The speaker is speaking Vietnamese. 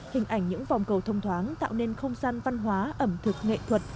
hình ảnh những vòng cầu thông thoáng tạo nên không gian văn hóa ẩm thực nghệ thuật